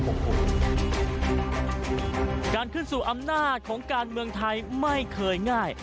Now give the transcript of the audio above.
การขึ้นสู่อำนาจของการเมืองไทยไม่เคยง่าย